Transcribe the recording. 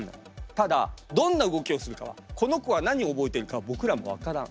ただどんな動きをするかはこの子は何を覚えているかは僕らも分からん。